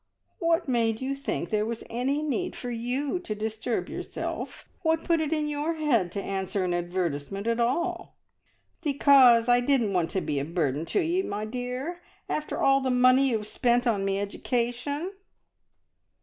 "What made you think there was any need for you to disturb yourself? What put it in your head to answer an advertisement at all?" "Because I didn't want to be a burden to ye, my dear, after all the money you've spent on me education!"